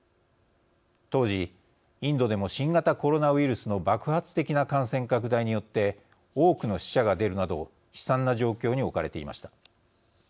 当時、インドでも新型コロナウイルスの爆発的な感染拡大によって多くの死者が出るなど悲惨な状況に置かれていました。